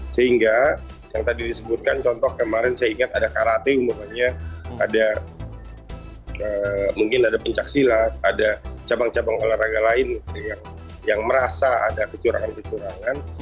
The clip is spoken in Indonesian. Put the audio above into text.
sehingga yang tadi disebutkan contoh kemarin saya ingat ada karate umpamanya ada mungkin ada pencaksilat ada cabang cabang olahraga lain yang merasa ada kecurangan kecurangan